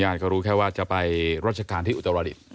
ญาติก็รู้แค่ว่าจะไปรัชกาลที่อุตราฤทธิ์